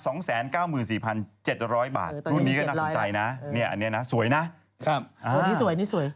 ตอนนี้ก็น่าสนใจนะเนี่ยอันนี้นะสวยนะครับอันนี้สวย